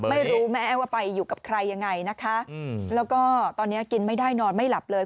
ไม่รู้แม่ว่าไปอยู่กับใครยังไงนะคะแล้วก็ตอนนี้กินไม่ได้นอนไม่หลับเลย